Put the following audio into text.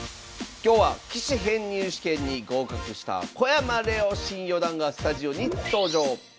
今日は棋士編入試験に合格した小山怜央新四段がスタジオに登場。